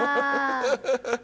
ハハハハ！